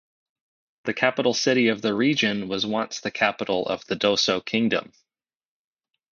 The capital city of the region was once the capital of the Dosso kingdom.